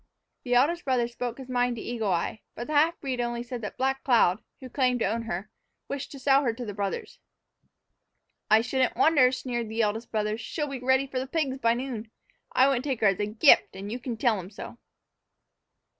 The eldest brother spoke his mind to Eagle Eye, but the half breed only said that Black Cloud, who claimed to own her, wished to sell her to the brothers. "I shouldn't wonder," sneered the eldest brother; "she'll be ready for the pigs by noon. I wouldn't take her as a gift, and you can tell 'em so."